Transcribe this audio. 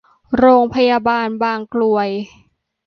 โรงพยาบาลบางกรวย